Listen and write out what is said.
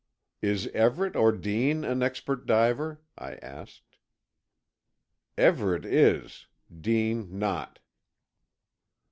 "Is Everett or Dean an expert diver?" I asked. "Everett is. Dean not."